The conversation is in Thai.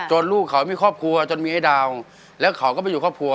ลูกเขามีครอบครัวจนมีไอ้ดาวแล้วเขาก็ไปอยู่ครอบครัว